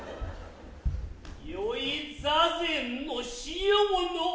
よい座禅のしようの。